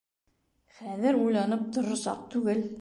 Хәҙер уйланып торор саҡ түгел.